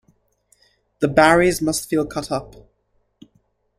The Barrys must feel cut up.